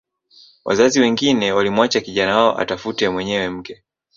Wazazi wengine walimwacha kijana wao atafute mwenyewe mke